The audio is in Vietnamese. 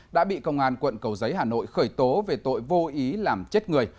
đã bị công an quận cầu giấy hà nội khởi tố về tội vô ý làm chết người